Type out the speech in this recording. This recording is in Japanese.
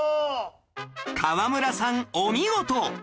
河村さんお見事